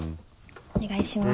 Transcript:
お願いします。